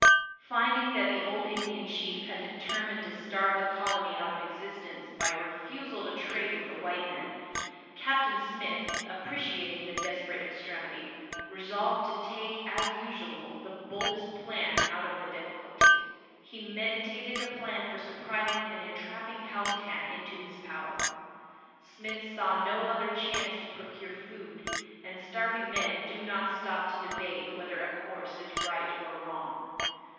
Finding that the old Indian chief had determined to starve the colony out of existence by a refusal to trade with the white men, Captain Smith, appreciating the desperate extremity, resolved to take, as usual, the boldest plan out of the difficulty. He meditated a plan for surprising and entrapping Powhatan into his power. Smith saw no other chance to procure food, and starving men do not stop to debate whether a course is right or wrong.